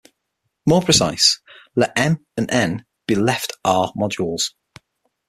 More precise, let "M" and "N" be left "R"-modules.